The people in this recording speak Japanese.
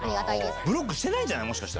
ブロックしてないんじゃない？